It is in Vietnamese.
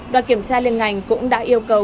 đoàn kiểm tra liên ngành cũng đã yêu cầu